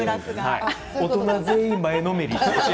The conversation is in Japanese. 大人全員、前のめり。